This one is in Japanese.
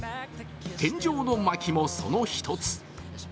天井のまきもその１つ。